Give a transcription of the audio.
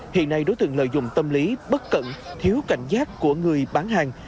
hiện nay đối tượng lợi dụng tâm lý bất cẩn thiếu cảnh giác của người bán hàng